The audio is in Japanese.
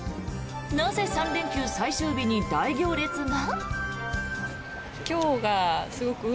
なぜ３連休最終日に大行列が？